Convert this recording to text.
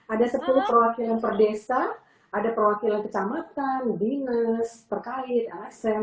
ada sepuluh perwakilan perdesa ada perwakilan kecamatan dinas perkait asm